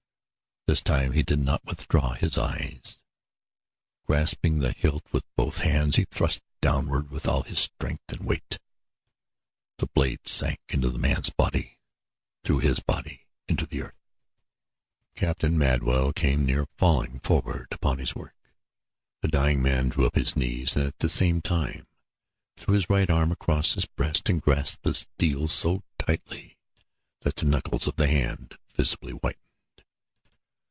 This time he did not withdraw his eyes. Grasping the hilt with both hands, he thrust downward with all his strength and weight. The blade sank into the man's body through his body into the earth; Captain Madwell came near falling forward upon his work. The dying man drew up his knees and at the same time threw his right arm across his breast and grasped the steel so tightly that the knuckles of the hand visibly whitened.